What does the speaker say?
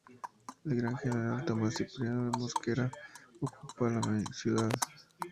El gran general Tomás Cipriano de Mosquera ocupa la ciudad.